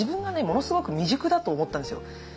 ものすごく未熟だと思ったんですよ。